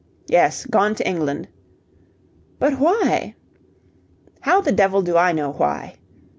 "Yes, gone to England." "But why?" "How the devil do I know why?"